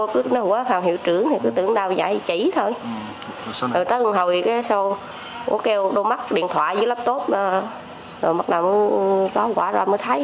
của kêu đồ mắt điện thoại với laptop rồi mặt nào có quả rồi mới thấy